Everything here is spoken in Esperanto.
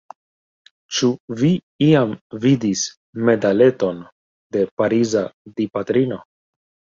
Ĉu vi iam vidis medaleton de Pariza Dipatrino?